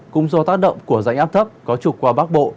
cũng do tác động của rãnh áp thấp có trục qua bắc bộ